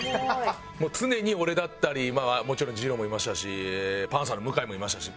もう常に俺だったりもちろんじろうもいましたしパンサーの向井もいましたし。